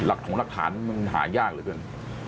หลักฐานมันหายากหรือเปล่า